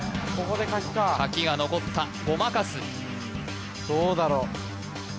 書きが残ったごまかすどうだろう？